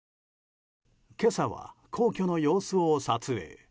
今朝は、皇居の様子を撮影。